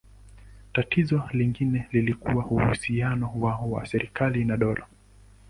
Tatizo lingine lilikuwa uhusiano wao na serikali na dola.